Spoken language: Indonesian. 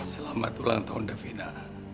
selamat ulang tahun davina